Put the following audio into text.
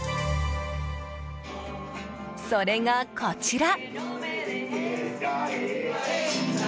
それがこちら。